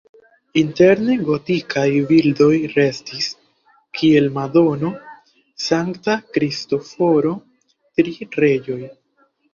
Interne gotikaj bildoj restis, kiel Madono, Sankta Kristoforo, Tri reĝoj.